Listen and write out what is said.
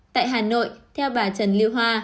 tại hà nội theo bà trần lưu hoa